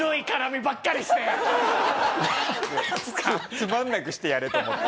つまんなくしてやれと思って。